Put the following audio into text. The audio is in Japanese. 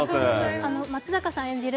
松坂さん演じる